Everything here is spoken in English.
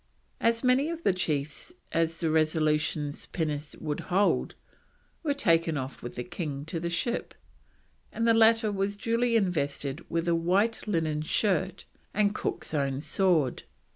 As many of the chiefs as the Resolution's pinnace would hold were taken off with the king to the ship, and the latter was duly invested with a white linen shirt and Cook's own sword.